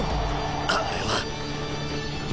あれは。